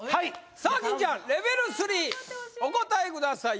さあ金ちゃんレベル３お答えください